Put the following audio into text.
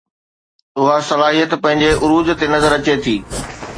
اها صلاحيت پنهنجي عروج تي نظر اچي ٿي